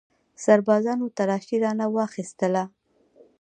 سربازانو تلاشي رانه واخیستله.